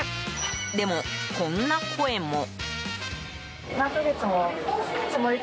でも、こんな声も。